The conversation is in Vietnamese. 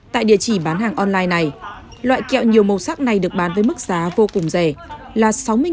tại địa chỉ bán hàng online này loại kẹo nhiều màu sắc này được bán với mức giá vô cùng rẻ là sáu mươi đồng